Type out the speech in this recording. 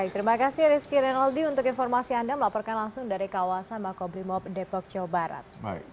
terima kasih rizky renaldi untuk informasi anda melaporkan langsung dari kawasan makobrimob depok jawa barat